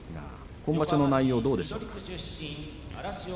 今場所の内容はどうですか。